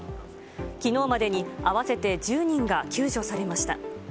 きのうまでに合わせて１０人が救助されました。